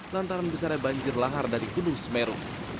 lantaran besarnya banjir lahar dari gunung semeru